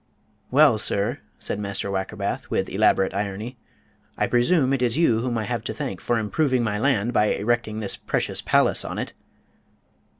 "Well, sir," said Mr. Wackerbath, with elaborate irony, "I presume it is you whom I have to thank for improving my land by erecting this precious palace on it?"